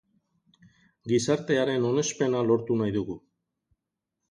Gizartearen onespena lortu nahi dugu.